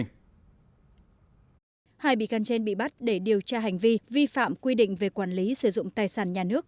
hai bị can trên bị bắt để điều tra hành vi vi phạm quy định về quản lý sử dụng tài sản nhà nước